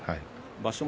場所